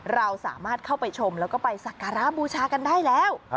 เราสามารถเข้าไปชมแล้วก็ไปสักการะบูชากันได้แล้ว